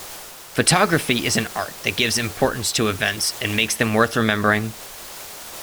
Photography is an art that gives importance to events and makes them worth remembering.